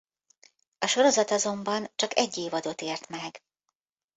A sorozat azonban csak egy évadot ért meg.